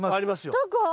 どこ？